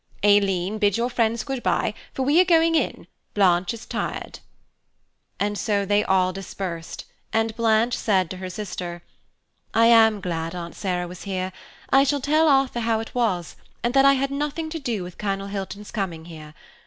Aileen, bid your friends good bye, for we are going in, Blanche is tired." And so they all dispersed, and Blanche said to her sister, "I am glad Aunt Sarah was here. I shall tell Arthur how it was, and that I had nothing to do with Colonel Hilton's coming here.